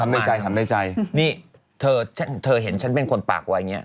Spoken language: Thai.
ถามในใจว่านี่เธอเห็นฉันเป็นคนปากว่าอย่างนี้